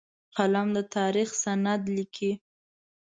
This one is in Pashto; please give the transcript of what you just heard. قلم د تاریخ سند لیکي